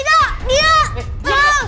tidak tolongin aku tidak